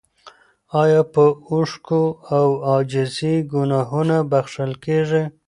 ایا په اوښکو او عاجزۍ ګناهونه بخښل کیږي؟